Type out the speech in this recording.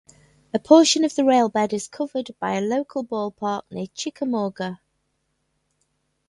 A portion of the rail bed is covered by a local ballpark near Chickamauga.